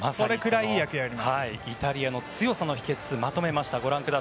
イタリアの強さの秘訣をまとめました。